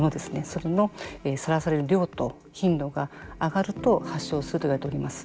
それのさらされる量と頻度が上がると発症するといわれております。